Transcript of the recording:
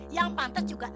yang pantas juga